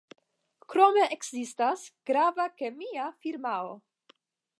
Krome ekzistas grava kemia firmao.